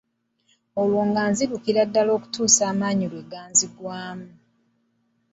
Olwo nga nzirukira ddala okutuusa amaanyi lwe ganzigwamu.